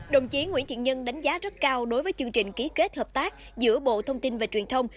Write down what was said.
đồng chí nguyễn thiện nhân đánh giá rất cao đối với chương trình ký kết hợp tác giữa bộ thông tin và truyền thông